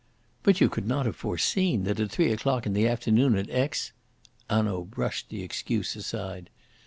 "But you could not have foreseen that at three o'clock in the afternoon at Aix " Hanaud brushed the excuse aside.